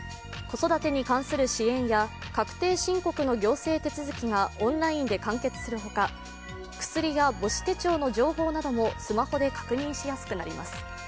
子育てに関する支援や確定申告の行政手続きがオンラインで完結するほか、薬や母子手帳の情報などもスマホで確認しやすくなります。